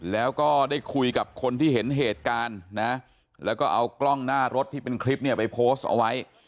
แล้วก็ได้คุยกับคนที่เห็นเหตุการณ์นะแล้วก็เอากล้องหน้ารถที่เป็นคลิปเนี่ยไปโพสต์เอาไว้